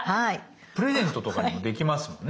プレゼントとかにもできますもんね。